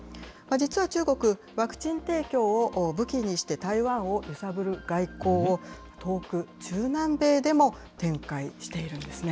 実は中国、ワクチン提供を武器にして、台湾を揺さぶる外交を、遠く中南米でも展開しているんですね。